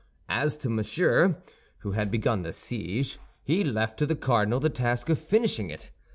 As to Monsieur, who had begun the siege, he left to the cardinal the task of finishing it.